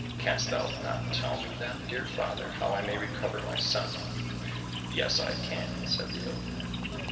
Canst thou not tell me then, dear father, how I may recover my son ?"—" Yes, I can," said the old man.